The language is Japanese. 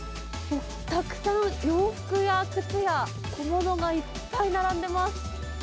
たくさん洋服や靴や小物がいっぱい並んでいます。